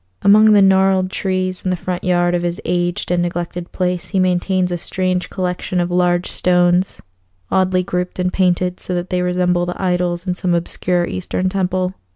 Among the gnarled trees in the front yard of his aged and neglected place he maintains a strange collection of large stones, oddly grouped and painted so that they resemble the idols in some obscure Eastern temple.